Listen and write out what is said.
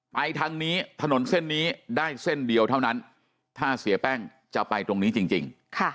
ทางนี้ถนนเส้นนี้ได้เส้นเดียวเท่านั้นถ้าเสียแป้งจะไปตรงนี้จริง